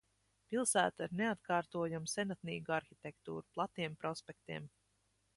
Pilsēta ar neatkārtojamu senatnīgu arhitektūru, platiem prospektiem.